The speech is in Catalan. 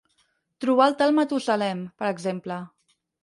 Trobar el tal Matusalem, per exemple.